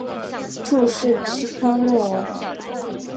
注释期刊论文